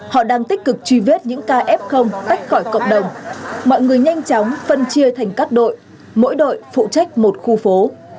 họ đang tích cực truy vết những kf tách khỏi cộng đồng mọi người nhanh chóng phân chia thành các đội mỗi đội phụ trách một khu phố